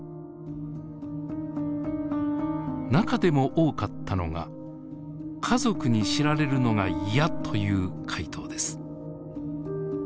中でも多かったのが「家族に知られるのが嫌」という回答です。